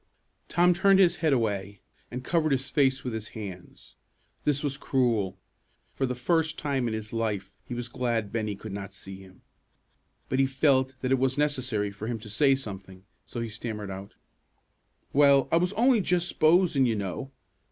Tom turned his head away, and covered his face with his hands. This was cruel. For the first time in his life, he was glad Bennie could not see him. But he felt that it was necessary for him to say something, so he stammered out, "Well, I was only just s'posin', you know.